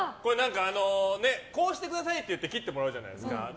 こうしてくださいって言って切ってもらうじゃないですか。